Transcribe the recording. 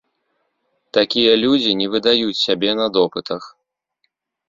Такія людзі не выдаюць сябе на допытах.